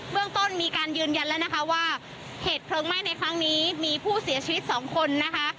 เรื่องต้นมีการยืนยันแล้วนะคะว่าเหตุเพลิงไหม้ในครั้งนี้มีผู้เสียชีวิตสองคนนะคะ